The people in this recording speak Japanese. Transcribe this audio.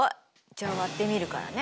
じゃあ割ってみるからね。